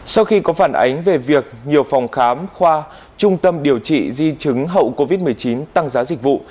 sau khi có phản ánh về việc nhiều phòng khám khoa trung tâm điều trị di chứng hậu covid một mươi chín tăng giá dịch vụ